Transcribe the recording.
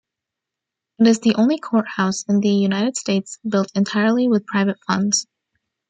It is the only courthouse in the United States built entirely with private funds.